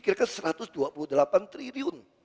kira kira satu ratus dua puluh delapan triliun